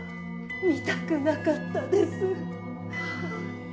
見たくなかったです。